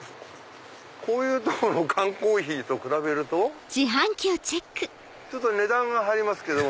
こういうとこの缶コーヒーと比べるとちょっと値段が張りますけども。